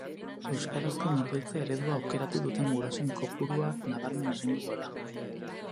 Euskarazko murgiltze eredua aukeratu duten gurasoen kopuruak nabarmen egin du gora.